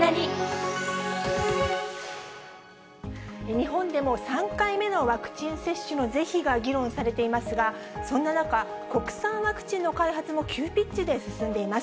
日本でも３回目のワクチン接種の是非が議論されていますが、そんな中、国産ワクチンの開発も急ピッチで進んでいます。